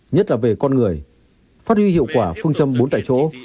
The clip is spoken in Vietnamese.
nhất là về con người phát huy hiệu quả phương châm bốn tại chỗ